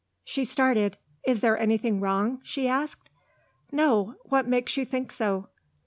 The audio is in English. She started. "Is there anything wrong?" she asked. "No. What makes you think so?"